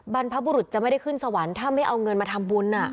บรรพบุรุษจะไม่ได้ขึ้นสวรรค์ถ้าไม่เอาเงินมาทำบุญ